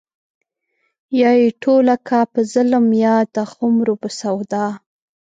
يا يې ټوله کا په ظلم يا د خُمرو په سودا